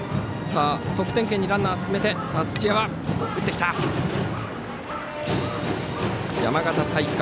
得点圏にランナーを進めて土屋はヒッティング。